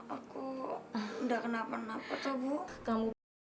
aku udah kenapa kenapa coba kamu